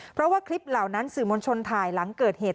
เพราะว่าคลิปเหล่านั้นสื่อมวลชนถ่ายหลังเกิดเหตุ